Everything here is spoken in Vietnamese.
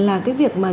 là cái việc mà